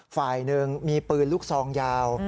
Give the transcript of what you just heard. ฝ่ายหนึ่งมีปืนลูกซองยาว